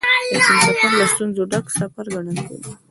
د چين سفر له ستونزو ډک سفر ګڼل کېده.